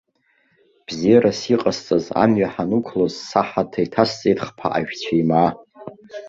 Бзиарас иҟасҵаз, амҩа ҳанықәлоз саҳаҭа иҭасҵеит хԥаҟа жәцәеимаа.